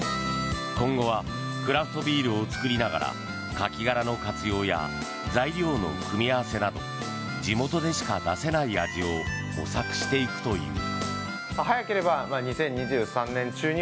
今後はクラフトビールを作りながらカキ殻の活用や材料の組み合わせなど地元でしか出せない味を模索していくという。